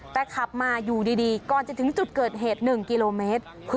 แต่ขับมาอยู่ดีก่อนจะถึงจุดเกิดเหตุ๑กิโลเมตร